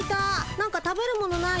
なんか食べるものない？